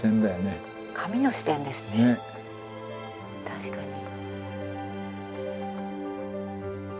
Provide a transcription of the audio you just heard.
確かに。